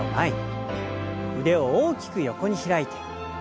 腕を大きく横に開いて。